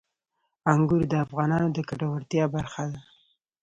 انګور د افغانانو د ګټورتیا برخه ده.